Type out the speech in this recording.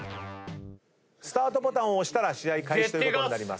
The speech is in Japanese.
スタートボタンを押したら試合開始ということになります。